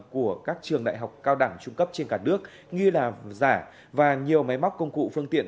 của các trường đại học cao đẳng trung cấp trên cả nước nghi là giả và nhiều máy móc công cụ phương tiện